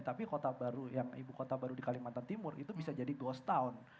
tapi kota baru yang ibu kota baru di kalimantan timur itu bisa jadi ghost town